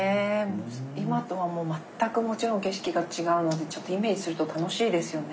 今とはもう全くもちろん景色が違うのでちょっとイメージすると楽しいですよね。